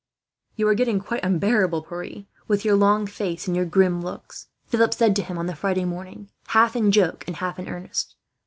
"You are getting quite unbearable, Pierre, with your long face and your grim looks," Philip said to him on the Friday morning, half in joke and half in earnest.